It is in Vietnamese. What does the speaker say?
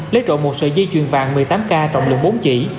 lấy trộm một sợi dây chuyền vàng một mươi tám k trọng lượng bốn chỉ